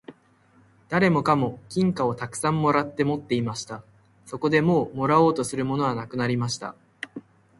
誰もかも金貨をたくさん貰って持っていました。そこでもう貰おうとするものはなくなりました。